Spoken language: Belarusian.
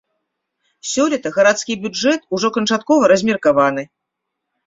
Сёлета гарадскі бюджэт ужо канчаткова размеркаваны.